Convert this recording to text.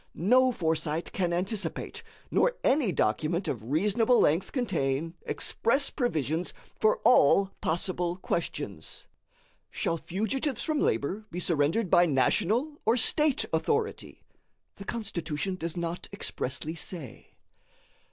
No foresight can anticipate, nor any document of reasonable length contain, express provisions for all possible questions. Shall fugitives from labor be surrendered by national or State authority? The Constitution does not expressly say.